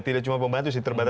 tidak cuma pembantu sih terbatas